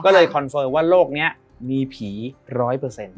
ก็เลยคอนเฟิร์มว่าโลกนี้มีผีร้อยเปอร์เซ็นต์